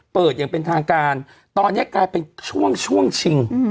อย่างเป็นทางการตอนนี้กลายเป็นช่วงช่วงชิง